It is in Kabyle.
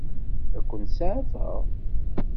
Ad ken-seɛfeɣ?